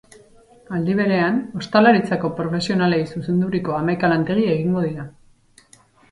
Aldi berean, ostalaritzako profesionalei zuzenduriko hamaika lantegi egingo dira.